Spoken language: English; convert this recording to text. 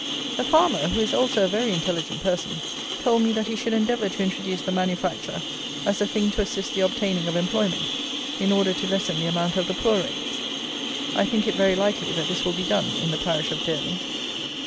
The farmer, who is also a very intelligent person, told me that he should endeavour to introduce the manufacture as a thing to assist the obtaining of employment, in order to lessen the amount of the poor rates. I think it very likely that this will be done in the parish of Durley.